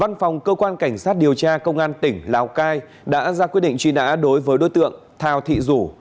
văn phòng cơ quan cảnh sát điều tra công an tỉnh lào cai đã ra quyết định truy nã đối với đối tượng thào thị rủ